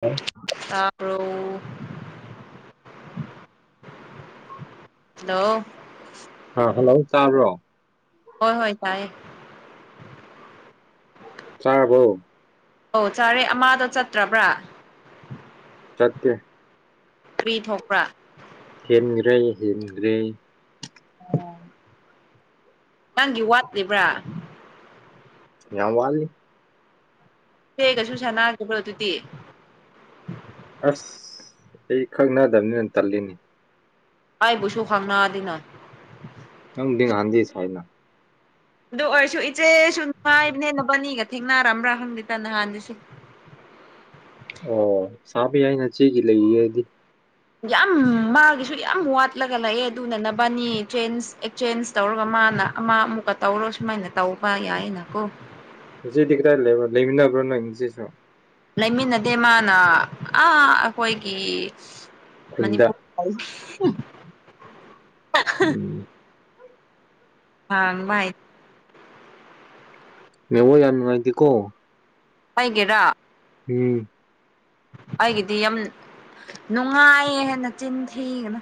Hello. ꯇꯕꯔꯣ hello ꯑꯥ hello ꯇꯥꯕ꯭ꯔꯣ ꯍꯣꯏ ꯍꯣꯏ ꯇꯥꯏꯌꯦ ꯆꯥꯔꯕꯣ ꯑꯧ ꯆꯥꯔꯦ ꯑꯃꯗꯣ ꯆꯠꯇ꯭ꯔꯕ꯭ꯔꯥ ꯆꯠꯇꯦ ꯊꯔꯤ ꯊꯣꯛꯄ꯭ꯔꯥ ꯍꯦꯟꯈ꯭ꯔꯦ ꯍꯦꯟꯈ꯭ꯔꯦꯌꯦ ꯑꯣ ꯅꯪꯒꯤ ꯋꯥꯠꯂꯤꯕ꯭ꯔꯥ ꯌꯥꯝ ꯋꯥꯠꯂꯤ ꯍꯒꯁꯨ ꯁꯥꯟꯅꯒꯔꯤꯕ꯭ꯔꯣ ꯑꯗꯨꯗꯤ ꯑꯁ ꯑꯩ ꯈꯪꯅꯥꯗꯕꯅꯤꯅ ꯇꯜꯂꯤꯅꯦ ꯑꯩꯕꯨꯁꯨ ꯈꯪꯅꯗꯦꯅ ꯅꯪꯗꯤ ꯉꯍꯥꯟꯗꯩ ꯁꯥꯏꯅ ꯑꯗꯨ ꯑꯣꯏꯔꯁꯨ ꯏꯆꯦꯁꯨ ꯅꯨꯡꯉꯥꯏꯕꯅꯦ ꯅꯕꯅꯤꯒ ꯊꯦꯡꯅꯔꯝꯕ꯭ꯔꯥ ꯍꯪꯗꯦꯗ ꯅꯍꯥꯟꯁꯤꯁꯨ ꯑꯣ ꯁꯥꯕ ꯌꯥꯏ ꯅꯆꯦꯒꯤ ꯂꯩꯌꯦꯗꯤ ꯌꯥꯝ ꯃꯥꯒꯤꯁꯨ ꯌꯥꯝ ꯋꯥꯠꯂꯒ ꯂꯩꯑꯦ ꯑꯗꯨꯅ ꯅꯕꯅꯤ ꯆꯦꯟꯁ ꯆꯦꯟꯖ ꯇꯧꯔꯒ ꯃꯥꯅ ꯑꯃ ꯑꯃꯨꯛꯀ ꯇꯧꯔꯣ ꯁꯨꯃꯥꯏꯅ ꯇꯧꯕ ꯌꯥꯏꯅꯀꯣ ꯍꯧꯖꯤꯛꯗꯤ ꯀꯗꯥꯏ ꯂꯩꯕꯔ ꯂꯩꯃꯤꯟꯅꯕ꯭ꯔꯣ ꯅꯪ ꯏꯆꯦꯁꯨ ꯂꯩꯃꯤꯟꯅꯗꯦ ꯃꯥꯅ ꯑꯥ ꯑꯩꯈꯣꯏꯒꯤ ꯈꯨꯟꯗ ꯃꯅꯤꯄꯨꯔ [unintelligible] ꯎꯝ ꯈꯥꯡ ꯃꯥꯥꯏ ꯅꯦꯠꯋꯥꯛ ꯌꯥꯝ ꯅꯨꯡꯉꯥꯏꯇꯦꯀꯣ ꯑꯩꯒꯤꯔ ꯎꯝ ꯑꯩꯒꯤꯗꯤ ꯌꯥꯝ ꯅꯨꯡꯉꯥꯏꯌꯦ ꯍꯦꯟ ꯅꯆꯤꯟ ꯊꯤꯒꯅꯨ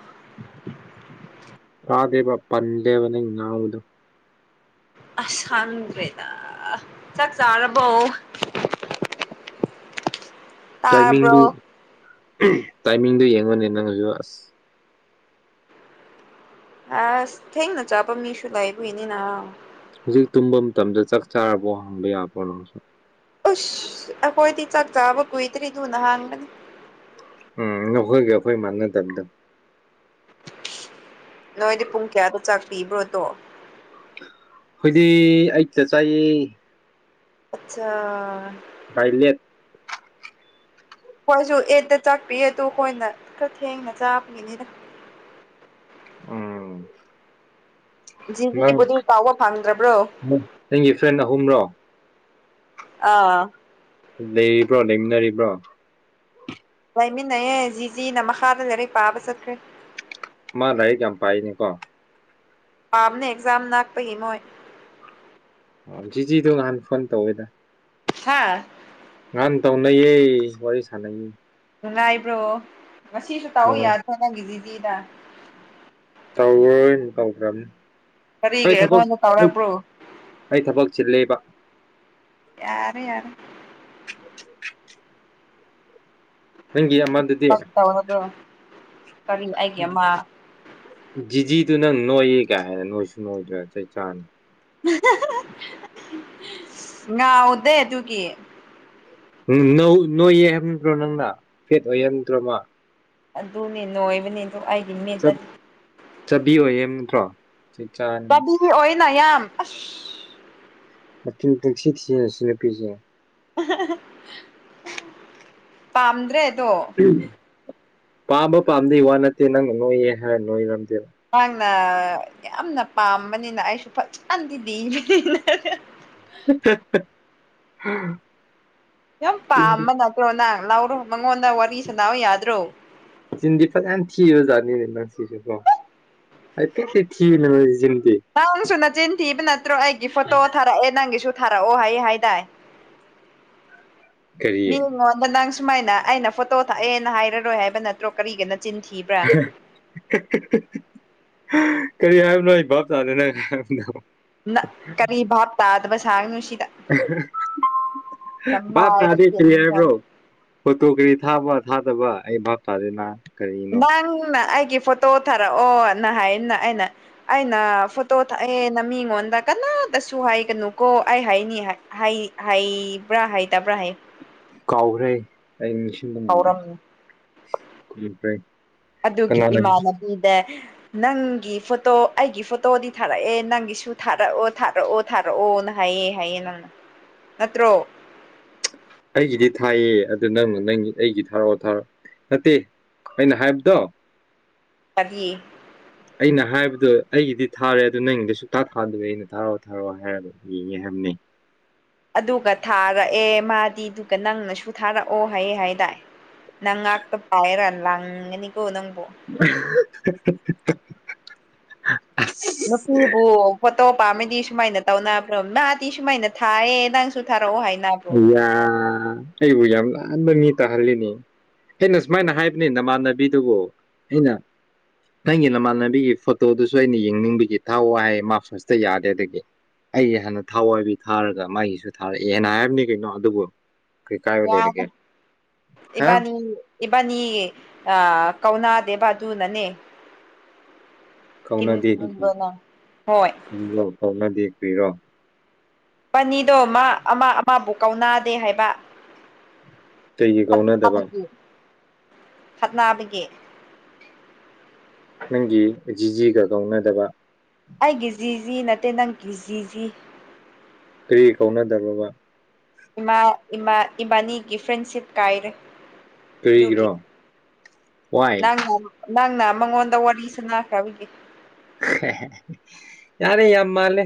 ꯇꯗꯦꯕ ꯄꯟꯔꯦꯕ ꯅꯪ ꯉꯥꯡꯕꯗꯣ ꯑꯁ ꯍꯪꯗ꯭ꯔꯦꯗ ꯆꯥꯛ ꯆꯥꯔꯕꯣ [inaudible] ꯇꯥꯏꯃꯤꯡꯗꯨ ꯇꯥꯕ꯭ꯔꯣ ꯇꯥꯏꯃꯤꯡꯗꯨ ꯌꯦꯡꯉꯨꯅꯦ ꯅꯪꯁꯨ ꯑꯁ ꯑꯁ ꯊꯦꯡꯅ ꯆꯥꯕ ꯃꯤꯁꯨ ꯂꯩꯥꯏꯕꯩꯅꯤꯅ ꯍꯧꯖꯤꯛ ꯇꯨꯝꯕ ꯃꯇꯝꯗ ꯆꯥꯛ ꯆꯥꯔꯕꯣ ꯍꯪꯕ ꯌꯥꯕ꯭ꯔꯣ ꯅꯪꯖꯨ ꯑꯁ ꯑꯩꯈꯣꯏꯗꯤ ꯆꯥꯛ ꯆꯥꯕ ꯀꯨꯏꯗ꯭ꯔꯤ ꯗꯨꯅꯍꯪꯕꯅꯤ ꯎꯝ ꯅꯈꯣꯏꯒ ꯑꯩꯈꯣꯏꯑ ꯃꯥꯟꯅꯗꯕꯗꯣ ꯅꯣꯏꯗꯤ ꯄꯨꯡ ꯀꯌꯥꯗ ꯆꯥꯛ ꯄꯤꯕ꯭ꯔꯣꯗꯣ ꯍꯣꯏꯗꯤ ꯑꯩ ꯑꯩꯠꯇ ꯆꯥꯏꯌꯦ ꯑꯆꯥ ꯇꯥꯏꯂꯦꯠ ꯍꯣꯏꯁꯨ ꯑꯦꯠꯇ ꯆꯥꯛ ꯄꯤꯌꯦ ꯑꯗꯨ ꯑꯩꯈꯣꯏꯅ ꯈꯔ ꯊꯦꯡꯅ ꯆꯥꯕꯒꯤꯅꯤꯗ ꯎꯝ ꯅꯪ ꯖꯤꯖꯤꯕꯗꯨ ꯀꯥꯎꯕ ꯐꯪꯗ꯭ꯔꯕ꯭ꯔꯣ ꯅꯪꯒꯤ ꯐ꯭ꯔꯦꯟ ꯑꯍꯨꯝꯔꯣ ꯑꯥ ꯂꯩꯕ꯭ꯔꯣ ꯂꯩꯃꯤꯟꯅꯔꯤꯕ꯭ꯔꯣ ꯂꯩꯏꯃꯤꯟꯅꯩꯌꯦ ꯖꯤ ꯖꯤꯅ ꯃꯈꯥꯗ ꯂꯩꯔ ꯄꯥꯕ ꯆꯠꯈ꯭ꯔꯦ ꯃꯥ ꯂꯥꯏꯔꯤꯛ ꯌꯥꯝ ꯄꯥꯏꯅꯦꯀꯣ ꯄꯥꯝꯅꯦ ꯑꯦꯛꯖꯥꯝ ꯅꯥꯛꯄꯒꯤ ꯃꯣꯏ ꯖꯤ ꯖꯤꯗꯣ ꯅꯍꯥꯟ ꯐꯣꯟ ꯇꯧꯋꯦꯗ ꯍꯥ ꯉꯍꯥꯟ ꯇꯧꯅꯩꯌꯦ ꯋꯥꯔꯤ ꯁꯥꯟꯅꯩꯌꯦ ꯅꯨꯡꯉꯥꯏꯕ꯭ꯔꯣ ꯉꯁꯤꯁꯨ ꯇꯧ ꯍꯣꯏ ꯌꯥꯗ꯭ꯔꯣ ꯅꯪꯒꯤ ꯖꯤꯖꯤꯗ ꯇꯧꯔꯣꯏ ꯇꯧꯗꯔꯅꯦ ꯀꯔꯤꯒꯤ ꯑꯩ ꯊꯕꯛ ꯑꯩꯉꯣꯟꯗ ꯇꯧꯔꯛꯄ꯭ꯔꯣ ꯑꯩ ꯊꯕꯛ ꯆꯤꯜꯂꯦꯕ ꯌꯥꯔꯦ ꯌꯥꯔꯦ [inaudible] ꯅꯪꯒꯤ ꯑꯃꯗꯨꯗꯤ ꯄꯛ ꯇꯧꯔꯕ꯭ꯔꯣ ꯀꯔꯤ ꯑꯩꯒꯤ ꯑꯃ ꯖꯤꯖꯤꯗꯨ ꯅꯪ ꯅꯣꯏꯌꯦ ꯀꯥꯏ ꯒꯥꯏꯗꯅ ꯅꯣꯏꯁꯨ ꯅꯣꯏꯗꯣꯏ ꯆꯩ ꯆꯥꯅꯤ ꯉꯎꯗꯦ ꯑꯗꯨꯒꯤ ꯅꯣꯏꯌꯦ ꯍꯥꯏꯕ ꯅꯠꯇ꯭ꯔꯣ ꯅꯪꯅ ꯐꯦꯠ ꯑꯣꯏꯌꯦ ꯍꯥꯏꯕ ꯅꯠꯇ꯭ꯔꯣ ꯃꯥ ꯑꯗꯨꯅꯦ ꯅꯣꯏꯕꯅꯦꯗꯣ ꯑꯩꯒꯤ ꯃꯤꯠꯇꯗꯤ ꯆꯥꯕꯤ ꯑꯣꯏꯌꯦ ꯍꯥꯏꯕ ꯅꯠꯇ꯭ꯔꯣ ꯆꯩ ꯆꯅꯥ ꯆꯕꯤ ꯑꯣꯏꯅ ꯌꯥꯝ ꯃꯆꯤꯟ ꯄꯪꯊꯤ ꯊꯥꯌꯦ ꯑꯁꯤ ꯅꯨꯄꯤꯁꯦ ꯄꯥꯝꯗ꯭ꯔꯦ ꯑꯗꯣ ꯄꯥꯝꯕ ꯄꯥꯝꯗꯩ ꯋꯥ ꯅꯠꯇꯦ ꯅꯪꯅ ꯅꯣꯏꯌꯦ ꯍꯥꯏꯔ ꯅꯣꯏꯔꯝꯗꯦꯕ ꯅꯪꯅ ꯌꯥꯝꯅ ꯄꯥꯝꯕꯅꯤꯅ ꯑꯩꯁꯨ ꯐꯖꯅꯗꯤ ꯄꯕꯅꯤ [unintelligible] ꯌꯥꯝ ꯆꯤꯟꯗꯤ ꯄꯥꯝꯕ ꯅꯠꯇ꯭ꯔꯣ ꯅꯪ ꯂꯥꯎꯔꯣ ꯃꯉꯣꯟꯗ ꯋꯥꯔꯤ ꯁꯥꯟꯅꯥꯎ ꯑꯣ ꯌꯥꯗ꯭ꯔꯣ ꯆꯤꯟꯗꯤ ꯐꯖꯅ ꯊꯤꯕꯖꯥꯠꯅꯤꯅꯦ ꯅꯪꯁꯤꯁꯨꯀꯣ ꯍꯥꯏꯐꯦꯠꯇꯤ ꯊꯤꯅꯦ ꯆꯤꯟꯗꯤ ꯅꯪꯁꯨ ꯅꯆꯤꯟ ꯊꯤꯕ ꯅꯠꯇ꯭ꯔꯣ ꯑꯩꯒꯤ ꯐꯣꯇꯣ ꯊꯥꯔꯛꯑꯦ ꯅꯪꯒꯤꯁꯨ ꯊꯥꯔꯛꯑꯣ ꯍꯥꯏ ꯍꯥꯏꯗꯥꯏ ꯀꯔꯤ ꯃꯤꯡꯉꯣꯟꯗ ꯅꯪ ꯁꯨꯃꯥꯏꯅ ꯑꯩꯅ ꯐꯣꯇꯣ ꯊꯛꯑꯦꯅ ꯍꯥꯏꯔꯔꯣꯏ ꯍꯥꯏꯕ ꯅꯠꯇ꯭ꯔꯣ ꯀꯔꯤꯒꯤ ꯅꯆꯤꯟ ꯊꯤꯕ ꯀꯔꯤ ꯍꯥꯏꯕꯅꯣ ꯑꯩ ꯚꯥꯞ ꯇꯥꯗꯔ ꯅꯪ ꯍꯥꯏꯕꯗꯤ ꯅꯪ ꯀꯔꯤ ꯚꯥꯞ ꯇꯥꯗꯕ ꯁꯥꯥꯡꯅꯨꯁꯤꯗ ꯚꯥꯞ ꯅꯃꯥꯏꯗꯣ ꯇꯥꯗꯦ ꯀꯩ ꯄꯦꯟꯈ꯭ꯔꯅꯤ ꯍꯥꯏꯕꯅꯣ ꯐꯣꯇꯣ ꯀꯔꯤ ꯊꯥꯕ ꯊꯥꯗꯕ ꯑꯩ ꯚꯞ ꯇꯥꯗꯦꯅ ꯅꯪꯅ ꯑꯩꯒꯤ ꯐꯣꯇꯣ ꯊꯥꯔꯛꯑꯣꯅ ꯍꯥꯏꯅ ꯑꯩꯅ ꯑꯩꯅ ꯐꯣꯇꯣ ꯊꯛꯑꯦꯅ ꯃꯤꯉꯣꯟꯗ ꯀꯟꯅꯗꯁꯨ ꯍꯥꯏꯒꯅꯨ ꯀꯣ ꯑꯩ ꯍꯥꯏꯅꯤ ꯍꯥꯏ ꯍꯥꯏ ꯍꯥꯏꯕ꯭ꯔꯥ ꯍꯥꯏ ꯇꯕ꯭ꯔꯥ ꯍꯥꯏꯌꯨ ꯀꯥꯎꯈ꯭ꯔꯦ ꯑꯩ ꯅꯤꯡꯁꯤꯡ ꯍꯧꯔꯝꯃꯤ [unintelligible] ꯎꯗꯦ ꯅꯪꯒꯤ ꯐꯣꯇꯣ ꯑꯩꯒꯤ ꯐꯣꯇꯣꯗꯤ ꯊꯥꯔꯛꯑꯦ ꯅꯪꯒꯤꯁꯨ ꯊꯥꯔꯛꯑꯣ ꯊꯥꯔꯛꯑꯣ ꯊꯥꯔꯛꯑꯣꯅ ꯍꯥꯏꯌꯦ ꯍꯥꯏꯌꯦ ꯅꯪꯅ ꯅꯠꯇ꯭ꯔꯣ ꯑꯩꯒꯤꯗꯤ ꯊꯥꯏꯌꯦ ꯑꯗꯨ ꯅꯪ ꯅꯪ ꯑꯩꯒꯤ ꯊꯥꯔꯛꯑꯣ ꯊꯥꯔꯛꯑꯣ ꯅꯠꯇꯦ ꯑꯩꯅ ꯍꯥꯏꯕꯗꯣ ꯀꯗꯤ ꯑꯩꯅ ꯍꯥꯏꯕꯗꯣ ꯑꯩꯒꯤꯗꯤ ꯊꯥꯔꯦ ꯑꯗꯨ ꯅꯪꯒꯤꯗꯤ ꯁꯨꯛꯊꯥ ꯊꯥꯗꯕꯒꯤ ꯑꯩꯅ ꯊꯥꯔꯛꯑꯣ ꯊꯥꯔꯛꯑꯣ ꯍꯥꯏꯔꯒ ꯌꯦꯡꯒꯦ ꯍꯥꯢꯕꯅꯦ ꯑꯗꯨꯒ ꯊꯥꯔꯛꯑꯦ ꯃꯥꯗꯤ ꯑꯗꯨꯒ ꯅꯪꯅꯁꯨ ꯊꯥꯔꯛꯑꯣ ꯍꯥꯏꯌꯦ ꯍꯥꯏꯗꯥꯏ ꯅꯪ ꯉꯥꯛꯇ ꯄꯥꯏꯔ ꯂꯪꯉꯅꯤ ꯀꯣ ꯅꯪꯕꯨ ꯑꯍꯥ ꯍꯥ ꯍꯥ ꯍꯥ ꯅꯇꯨꯕꯨ ꯐꯣꯇꯣ ꯄꯥꯝꯃꯦꯗꯤ ꯁꯨꯃꯥꯏꯅ ꯇꯧꯅꯕ꯭ꯔꯣ ꯃꯥꯗꯤ ꯁꯨꯃꯥꯏꯅ ꯊꯥꯏꯑꯌꯦ ꯅꯪꯁꯨ ꯊꯥꯔꯛꯑꯣ ꯍꯥꯏꯅꯕ ꯌꯥ ꯑꯩꯕꯨ ꯌꯥꯝ ꯂꯥꯟꯕ ꯃꯤ ꯇꯥꯍꯜꯂꯦꯅꯦ ꯑꯩꯅ ꯁꯨꯃꯥꯏꯅ ꯍꯥꯏꯕꯅꯦ ꯅꯃꯥꯟꯅꯕꯤꯗꯨꯕꯨ ꯑꯩꯅ ꯅꯪꯒꯤ ꯅꯃꯥꯟꯅꯕꯤꯒꯤ ꯐꯣꯇꯣꯗꯨꯁꯨ ꯑꯩꯅ ꯌꯦꯡꯅꯤꯡꯕꯒꯤ ꯊꯥꯎ ꯋꯥ ꯍꯥꯏ ꯃꯥ ꯐꯁꯇ ꯌꯥꯗꯦ ꯑꯗꯒꯤ ꯑꯩ ꯍꯥꯟꯅ ꯊꯥꯎ ꯍꯥꯏꯕꯩ ꯊꯥꯔꯒ ꯃꯥꯒꯤꯁꯨ ꯊꯥꯔꯛꯑꯦꯅ ꯍꯥꯏꯕꯅꯤ ꯀꯩꯅꯣ ꯑꯗꯨꯕꯨ ꯀꯩ ꯀꯥꯏꯕ ꯋꯥ ꯂꯩꯔꯒꯦ ꯍꯥ ꯏꯕꯥꯟꯅꯤ ꯏꯕꯥꯟꯅꯤ ꯑ ꯀꯧꯅꯥ ꯗꯦꯕ ꯑꯗꯨꯅꯅꯦ ꯀꯧꯅꯗꯦ ꯀꯟꯕ ꯅꯪ ꯍꯣꯏ ꯀꯔꯤꯔꯣ ꯀꯧꯅꯗꯦ ꯀ꯭ꯔꯤꯔꯣ ꯕꯅꯤꯗꯣ ꯃꯥ ꯑꯃ ꯑꯃꯕꯨ ꯀꯧꯅꯥꯗꯦ ꯍꯥꯏꯕ ꯀꯩꯒꯤ ꯀꯧꯅꯗꯕ ꯈꯠꯅꯕꯒꯤ ꯈꯠꯅꯥꯕꯒꯤ ꯅꯪꯒꯤ ꯖꯤꯖꯤꯒ ꯀꯧꯅꯗꯕ ꯑꯩꯒꯤ ꯖꯤꯖꯤ ꯅꯠꯇꯦ ꯅꯪꯒꯤ ꯖꯤꯖꯤ ꯀ꯭ꯔꯤꯒꯤ ꯀꯧꯅꯗ꯭ꯔꯕ ꯕ ꯏꯃꯥ ꯏꯃꯥ ꯏꯕꯥꯅꯤꯒꯤ ꯐ꯭ꯔꯦꯟꯁꯤꯞ ꯀꯥꯏꯔꯦ ꯑꯗꯨꯒꯤ ꯀꯔꯤꯒꯤꯔꯣ ꯋꯥꯏ ꯅꯪꯅ ꯅꯪꯅ ꯃꯉꯣꯟꯗ ꯋꯥꯔꯤ ꯁꯅꯥꯈ꯭ꯔꯕꯒꯤ ꯌꯥꯔꯦ ꯌꯥꯝ ꯃꯥꯜꯂꯦ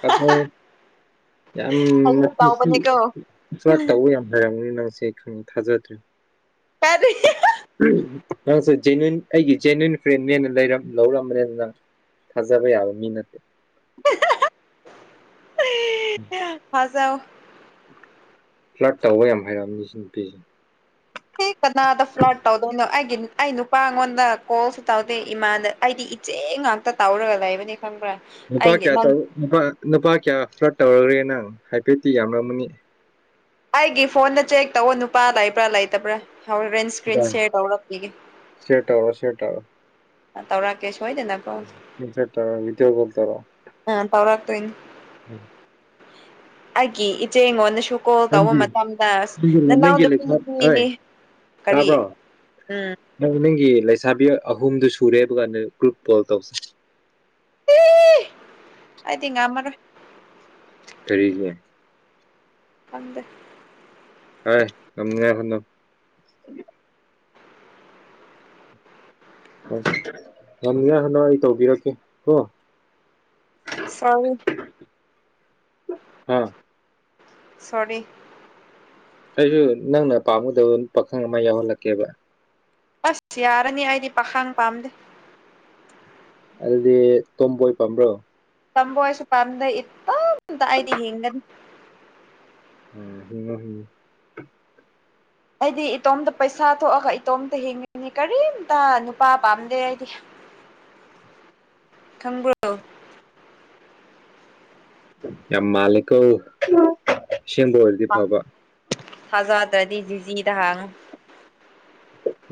ꯀꯥꯗꯔ ꯌꯥꯝꯅ ꯍꯌꯦꯡ ꯇꯧꯕꯅꯤꯀꯣ [unintelligible] ꯢꯟꯁꯜ ꯇꯧꯕ ꯌꯥꯝ ꯍꯩꯔꯝꯒ꯭ꯔꯦ ꯅꯪꯁꯦ ꯈꯪ ꯊꯥꯖꯗ꯭ꯔꯦ ꯑꯔꯤ ꯅꯪꯁꯨ ꯖꯦꯟꯅ꯭ꯋꯤꯟ ꯑꯩꯒꯤ ꯖꯦꯟꯅ꯭ꯋꯤꯟ ꯐ꯭ꯔꯦꯟꯅꯦꯅ ꯂꯩꯔꯝ ꯂꯧꯔꯝꯕꯅꯦꯗꯅꯪ ꯊꯥꯖꯕ ꯌꯥꯕ ꯃꯤ ꯅꯠꯇꯦ ꯑꯩꯌꯥ ꯊꯥꯖꯧ ꯐ꯭ꯂꯠ ꯇꯧꯕ ꯌꯥꯝ ꯍꯩꯔꯝ ꯑꯅꯤ ꯁꯤ ꯅꯨꯄꯤꯁꯦ ꯍꯦ ꯀꯅꯥꯗ ꯐ꯭ꯂꯠ ꯇꯧꯗꯣꯢꯅꯣ ꯑꯩꯒꯤ ꯅꯨ ꯑꯩ ꯅꯨꯄꯥ ꯉꯣꯟꯗ ꯀꯣꯜꯁꯨ ꯇꯧꯗꯦ ꯏꯃꯥꯟꯕ ꯑꯩꯗꯤ ꯏꯆꯦ ꯉꯥꯛꯇ ꯇꯧꯔꯒ ꯂꯩꯕꯅꯤ ꯈꯪꯕ꯭ꯔꯥ ꯅꯨꯄꯥ ꯑꯩꯒꯤ ꯀꯌꯥ ꯅꯪ ꯇꯧ ꯅꯨꯄꯥ ꯅꯨꯄꯥ ꯀꯌꯥ ꯐ꯭ꯂꯠ ꯇꯧꯔꯨꯔꯦ ꯅꯪ ꯍꯥꯏꯐꯦꯠꯇꯤ ꯌꯥꯝꯔꯝꯃꯅꯤ ꯑꯩꯒꯤ ꯐꯣꯟꯗ ꯆꯦꯛ ꯇꯧ ꯅꯨꯄꯥ ꯂꯩꯕ꯭ꯔꯥ ꯂꯩꯇꯕ꯭ꯔꯥ ꯍꯧꯔꯦꯟ ꯏꯁꯀ꯭ꯔꯤꯟ ꯁꯤꯔ ꯇꯧꯔꯛꯄꯤꯒꯦ ꯁꯤꯔ ꯇꯧꯔꯣ ꯁꯤꯔ ꯇꯧꯔꯣ ꯇꯧꯔꯛꯀꯦ ꯁꯣꯏꯗꯅ ꯁꯤꯌꯔ ꯇꯧꯔꯣ ꯚꯤꯗꯤꯑꯣ ꯀꯣꯜ ꯇꯧꯔꯣ ꯑ ꯇꯧꯔꯥꯛ ꯇꯣꯢꯅꯤ ꯑꯩꯒꯤ ꯏꯆꯦ ꯉꯣꯟꯗꯁꯨ ꯀꯣꯜ ꯇꯧꯕ ꯅꯪꯒꯤ ꯃꯇꯝꯗ ꯑꯁ ꯅꯅꯥꯎ ꯅꯪꯒꯤ ꯂꯩꯁꯥ ꯍꯣꯏ ꯅꯨꯄꯤꯗꯤ ꯀꯔꯤ ꯇꯥꯕ꯭ꯔꯣ ꯎꯝ ꯅꯪ ꯅꯪꯒꯤ ꯂꯩꯁꯥꯕꯤ ꯑꯍꯨꯝꯗꯨ ꯁꯨꯔꯦꯕ ꯍꯥꯏꯕ ꯀꯥꯟꯗ ꯒ꯭ꯔꯨꯞ ꯀꯣꯜ ꯇꯧꯁꯦ ꯑꯦ ꯑꯩꯗꯤ ꯉꯝꯃꯔꯣꯢ ꯀꯔꯤꯒꯤ ꯈꯪꯗꯦ ꯑꯥꯢ ꯉꯝꯅꯤꯉꯥꯢ ꯍꯣꯠꯅꯧ ꯉꯝꯅꯤꯡꯉꯥꯢ ꯍꯣꯠꯅꯧ ꯑꯩ ꯇꯧꯕꯤꯔꯛꯀꯦ ꯀꯣ ꯁꯣꯔꯤ ꯍꯥ ꯁꯣꯔꯤ ꯑꯩꯁꯨ ꯅꯪꯅ ꯄꯥꯝꯒꯗꯕ ꯄꯥꯈꯪ ꯑꯃ ꯌꯥꯎꯍꯜꯂꯛꯀꯦꯕ ꯑꯁ ꯌꯥꯔꯅꯤ ꯑꯩꯗꯤ ꯄꯥꯈꯪ ꯄꯥꯝꯗꯦ ꯑꯗꯨꯗꯤ ꯇꯣꯝꯕꯣꯏ ꯄꯥꯝꯕ꯭ꯔꯣ ꯇꯣꯝꯕꯣꯏ ꯁꯨ ꯄꯝꯗꯦ ꯏꯇꯣꯝꯇ ꯑꯩꯗꯤ ꯍꯤꯡꯒꯅꯤ ꯎ ꯍ ꯍꯨꯝ ꯑꯩꯗꯤ ꯏꯇꯣꯝꯇ ꯄꯩꯁꯥ ꯊꯣꯛꯑꯒ ꯏꯇꯣꯝꯇ ꯍꯤꯡꯉꯤꯅꯤ ꯀꯔꯤꯝꯇ ꯅꯨꯄꯥ ꯄꯥꯝꯗꯦ ꯑꯩꯗꯤ [inaudible] ꯊꯝꯒꯔꯣ ꯌꯥꯝ ꯃꯥꯂꯤꯀꯣ ꯁꯦꯝꯗꯣ ꯊꯥꯖꯥꯗ꯭ꯔꯗꯤ ꯖꯤꯖꯤꯗ ꯍꯥꯡꯉꯨ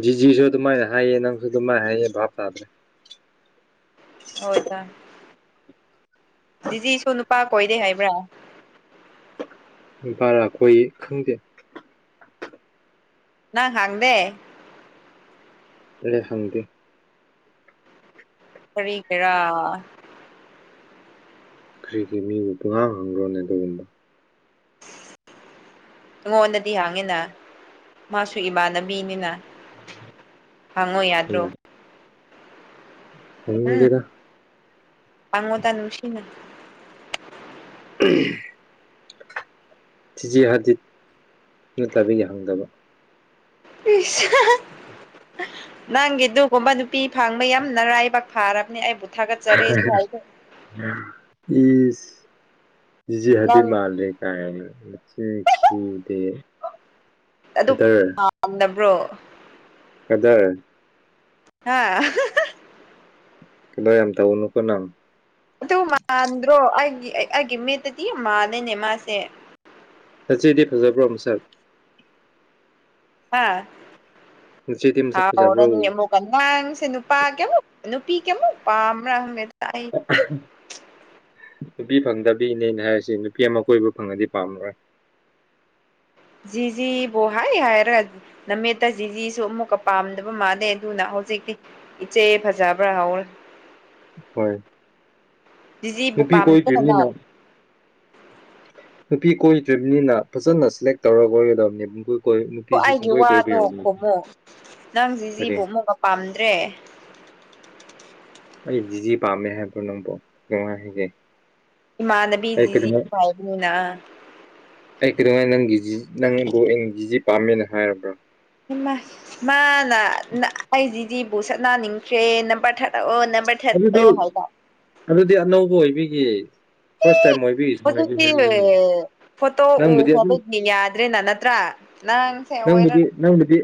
ꯖꯤꯖꯤꯁꯨ ꯑꯗꯨꯃꯥꯏꯅ ꯍꯥꯏꯌꯦ ꯅꯪꯁꯨ ꯑꯗꯨꯃꯥꯏꯅ ꯍꯥꯏꯌꯦ ꯚꯥꯞ ꯇꯥꯗ꯭ꯔꯦ ꯍꯣꯏꯗꯥ ꯖꯤꯖꯤꯁꯨ ꯅꯨꯄꯥ ꯀꯣꯏꯗꯦ ꯍꯥꯏꯕ꯭ꯔꯥ ꯅꯨꯄꯥꯔ ꯀꯣꯏꯌꯦ ꯈꯪꯗꯦ ꯅꯪ ꯍꯪꯗꯦ ꯑꯩ ꯍꯪꯗꯦ ꯀꯔꯤ ꯒꯤꯔꯥ ꯀ꯭ꯔꯤꯒꯤ ꯃꯤꯕꯨ ꯄꯨꯡꯉꯥꯡ ꯍꯪꯕ꯭ꯔꯣꯅꯦ ꯑꯗꯨꯒꯨꯝꯕ ꯑꯩꯉꯣꯟꯗꯗꯤ ꯍꯥꯡꯉꯤꯅ ꯃꯥꯁꯨ ꯏꯃꯥꯟꯅꯕꯤꯅꯤꯅ ꯍꯪꯉꯣ ꯌꯥꯗ꯭ꯔꯣ ꯗꯦꯗꯥ ꯄꯥꯉꯣꯗ ꯅꯨꯡꯁꯤꯅ ꯊꯤꯖꯤ ꯍꯥꯗꯤꯠ ꯅꯠꯇꯕꯤꯒꯤ ꯍꯪꯗꯕ ꯏꯁ [inaudible] ꯅꯪꯒꯤ ꯑꯗꯨꯒꯒꯨꯝꯕ ꯅꯨꯄꯤ ꯐꯪꯕ ꯌꯥꯝꯅꯔꯥꯏꯕꯛ ꯐꯥꯔꯕꯅꯦ ꯑꯩꯕꯨ ꯊꯥꯒꯠꯆꯔꯤ ꯏꯖꯤꯍꯗꯤ ꯅꯪ ꯃꯥꯂꯤ ꯀꯆꯈꯤꯗꯦ ꯑꯗꯨ ꯄꯥꯟꯗꯕ꯭ꯔꯣ ꯀꯗꯔ ꯍꯥꯥ ꯀꯗꯔ ꯌꯥꯝ ꯇꯧꯅꯨꯀꯣ ꯅꯪ ꯑꯗꯨ ꯃꯥꯟꯗ꯭ꯔꯣ ꯑꯩꯒꯤ ꯑꯩꯒꯤ ꯃꯤꯠꯇꯗꯤ ꯌꯥꯝ ꯃꯥꯂꯦꯅꯦ ꯃꯥꯁꯦ ꯅꯥꯆꯦꯗꯤ ꯐꯖꯕ꯭ꯔꯣ ꯃꯁꯛ ꯍꯥ ꯅꯆꯦꯗꯤ ꯃꯁꯛ ꯐꯖꯕ꯭ꯔꯣ ꯀꯃꯥꯡꯁꯦ ꯅꯨꯄꯥ ꯀꯃꯣ ꯅꯨꯄꯤ ꯀꯃꯣ ꯄꯝ ꯍꯪꯦ ꯅꯨꯄꯤ ꯐꯪꯗꯕꯤꯅꯦꯅ ꯍꯥꯏꯔꯤꯁꯤ ꯅꯨꯄꯤ ꯑꯃ ꯀꯣꯏꯕ ꯐꯪꯉꯗꯤ ꯄꯥꯝꯃꯔꯣꯏ ꯖꯤꯖꯤ ꯕꯣꯍꯥꯏ ꯍꯥꯏꯔ ꯅꯃꯦꯠꯇ ꯖꯤꯖꯤꯁꯨ ꯑꯃꯨꯛꯀ ꯄꯥꯝꯗꯕ ꯃꯥꯜꯂꯦ ꯑꯗꯨꯅ ꯍꯧꯖꯤꯛꯇꯤ ꯏꯆꯦ ꯐꯖꯕ꯭ꯔꯥ ꯍꯧꯔ ꯍꯣꯏ ꯖꯤꯕꯨ ꯅꯨꯄꯤ ꯄꯝꯗ ꯍꯅ ꯀꯣꯏꯗ꯭ꯔꯤꯕꯅꯤꯅ ꯅꯨꯄꯤ ꯀꯣꯏꯗ꯭ꯔꯤꯕꯅꯤꯅ ꯐꯖꯅ ꯁꯦꯂꯦꯛ ꯇꯧꯔꯒ ꯀꯣꯏꯒꯗꯕꯅꯦꯕ ꯃꯈꯣꯏ ꯑꯣ ꯑꯩꯒꯤ ꯋꯥꯗꯣ ꯈꯨꯃꯣ ꯅꯪ ꯀꯔꯤ ꯖꯤꯖꯤꯕꯨ ꯑꯃꯨꯛꯀꯥ ꯄꯥꯝꯗ꯭ꯔꯦ ꯑꯩ ꯖꯤꯖꯤ ꯄꯥꯝꯃꯦ ꯍꯥꯏꯕꯔꯣ ꯅꯪꯕꯨ ꯅꯨꯡꯉꯥꯏꯒꯦ ꯏꯃꯥꯟꯅꯕꯤ ꯖꯤꯖꯤ ꯄꯕꯅꯤꯅ ꯑꯩ ꯀꯩꯗꯧꯉꯥꯏ ꯅꯪꯒꯤ ꯖꯤ ꯅꯪꯕ ꯑꯦꯟꯒꯤꯖꯤꯖꯤ ꯄꯥꯝꯃꯦꯅ ꯍꯥꯏꯔꯕ꯭ꯔꯣ ꯃꯥ ꯅ ꯑꯩꯁꯤꯗꯤꯕꯨ ꯁꯠꯅꯟꯅꯤꯡꯗ꯭ꯔꯦ ꯅꯝꯕꯔ ꯊꯥꯔꯗꯛꯑꯣ ꯑꯗꯨꯗꯤ ꯑꯗꯨꯗꯤ ꯑꯅꯧꯕ ꯑꯣꯏꯕꯤꯒꯤ ꯐꯥꯔꯁ ꯇꯥꯏꯝ ꯃ ꯑꯣꯏꯕꯤꯁꯤꯡ ꯍꯧꯖꯤꯛꯇꯤ ꯍꯥꯏꯦꯜꯅꯤꯡꯉꯤ ꯐꯣꯇꯣ ꯎ ꯈꯣꯕꯅꯤ ꯌꯥꯗ꯭ꯔꯦꯅ ꯅꯠꯇ꯭ꯔꯥ ꯅꯪꯁꯦ ꯑꯣꯏꯔ ꯅꯪ ꯅꯥꯗꯤ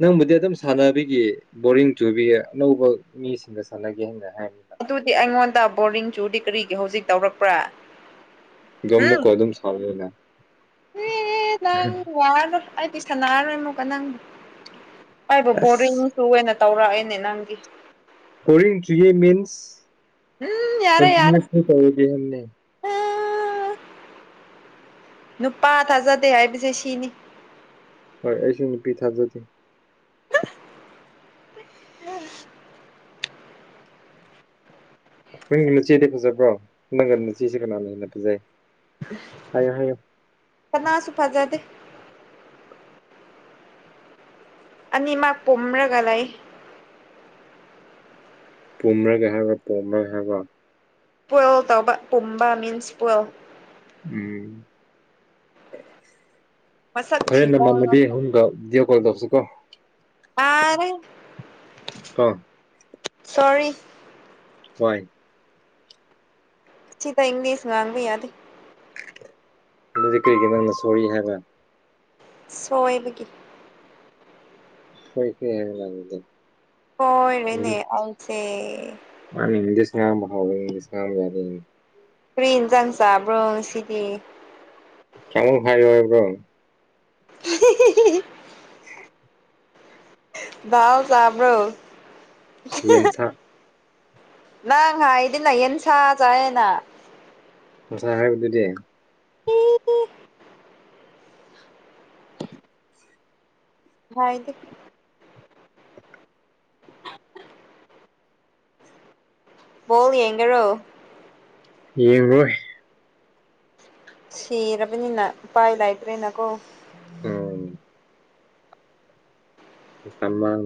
ꯅꯪꯕꯨꯗꯤ ꯑꯗꯨꯝ ꯁꯥꯟꯅꯕꯤꯒꯤ ꯕꯣꯔꯤꯡ ꯆꯨꯕꯤ ꯑꯅꯧꯕ ꯃꯤꯁꯤꯡꯗ ꯁꯥꯟꯅꯒꯦ ꯍꯥꯏꯅ ꯍꯥꯏꯔꯝꯃꯤ ꯑꯗꯨꯗꯤ ꯑꯩꯉꯣꯟꯗ ꯕꯣꯔꯤꯡ ꯆꯨꯗꯤ ꯀꯔꯤꯒꯤ ꯍꯧꯖꯤꯛ ꯇꯧꯔꯛꯄ꯭ꯔꯥ꯫ ꯑꯗꯣ [unintelligible] ꯑꯃꯨꯛꯀ ꯑꯗꯨꯝ ꯁꯥꯎꯅꯤꯅ ꯑꯩꯗꯤ ꯁꯅꯥꯔꯣꯏ ꯑꯃꯨꯛꯀ ꯅꯪ ꯑꯩꯥꯕꯨ ꯕꯣꯔꯤꯡ ꯑꯁ ꯇꯨ ꯑꯣꯏꯅ ꯇꯧꯔꯛꯑꯦꯅꯦ ꯅꯪꯗꯤ꯫ ꯕꯣꯔꯤꯡ ꯆꯨꯌꯦ ꯃꯤꯟꯁ꯫ ꯎꯝ ꯌꯥꯔꯦ-ꯌꯥꯔꯦ꯫ ꯀꯟꯇꯤꯅ꯭ꯌꯨꯁꯂꯤ ꯇꯧꯔꯗꯤ ꯍꯥꯏꯕꯅꯦ ꯑꯥ ꯅꯨꯄꯥ ꯊꯥꯖꯗꯦ ꯍꯥꯏꯕꯁꯦ ꯁꯤꯅꯤ꯫ ꯍꯣꯏ ꯑꯩꯁꯨ ꯅꯨꯄꯤ ꯊꯥꯖꯗꯦ ꯎꯝ ꯅꯪꯒꯤ ꯃꯆꯦꯗꯤ ꯐꯖꯕꯣ ꯅꯪꯒ ꯃꯆꯦꯁꯤ ꯀꯅꯥꯅ ꯍꯦꯟꯅ ꯐꯖꯩ ꯍꯥꯏꯌꯣ ꯍꯥꯏꯌꯣ ꯀꯅꯥꯁꯨ ꯐꯖꯗꯦ ꯑꯅꯤ ꯃꯛ ꯄꯨꯝꯂꯒ ꯂꯩ ꯄꯨꯝꯂꯒꯦ ꯍꯥꯏꯕ ꯄꯣꯝꯃꯒꯦ ꯍꯥꯏꯕꯔꯣ꯫ ꯄꯜ ꯇꯧꯕ ꯄꯨꯝꯕ ꯃꯤꯟꯁ ꯄꯜ ꯎꯝ ꯃꯁꯛ ꯍꯣꯔꯦꯟ ꯊꯤꯕ ꯅꯃꯃꯕꯤ ꯑꯍꯨꯝꯒ ꯗꯤꯑꫭꯛ [unintelligible] ꯑꯥꯔꯦ꯫ ꯀꫭ꯫ ꯁꯣꯔꯤ꯫ ꯍꯣꯏ꯫ ꯁꯤꯗ ꯏꯪꯂꯤꯁ ꯉꯥꯡꯕ ꯌꯥꯗꯦ꯫ ꯑꯗꯨꯗꯤ ꯀꯔꯤꯒꯤ ꯅꯪꯅ ꯁꯣꯔꯤ ꯍꯥꯏꯕ꯫ ꯁꯣꯏꯕꯒꯤ꯫ ꯁꫭꯏꯈ꯭ꯔꯦ ꯍꯥꯏꯌꫭꯅ ꯑꯗꯨꯗꯤ꯫ ꯀꯣꯏꯔꯦꯅꯦ ꯑꯜꯁꯦ [inaudible] ꯀ꯭ꯔꯤ ꯍꯤꯟꯁꯥꯡ ꯆꯥꯕ꯭ꯔꯣ ꯉꯁꯤꯗꯤ꯫ ꯀ꯭ꯌꯥꯃꯨꯛ ꯍꯥꯏꯌꫭ ꯍꯥꯏꯕ꯭ꯔꫭ꯫ [unintelligible] [unintelligible] ꯥꯗꯥꯑꫭ ꯆꯥꯕ꯭ꯔꯣ꯫ ꯌꯦꯟꯁꯥ꯫ ꯅꯪ ꯍꯥꯏꯗꯦꯅꯥ ꯌꯦꯟꯁꯥ ꯆꯗꯦꯅꯥ꯫ ꯉꯁꯥꯏ ꯍꯥꯏꯕꯗꯨꯗꯤ꯫ ꯍꯥꯏꯗꯤ꯫ ꯕꯣꯜ ꯌꯦꯡꯒꯦꯔꯣ꯫ ꯌꯦꯡꯔꫭꯏ꯫ ꯁꯤꯔꯕꯅꯤꯅ ꯎꯄꯥꯏ ꯂꯥꯏꯇ꯭ꯔꯦꯅꯀꯣ꯫ ꯎꯝ꯫ ꯃꯇꯝ ꯃꯥꯡ